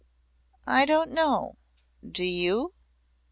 "I don't know. Do you?"